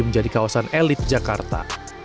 menjadi kawasan elit jakarta